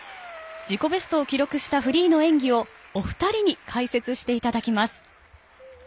自己ベストを記録したフリーの演技をお二人に解説していただきます。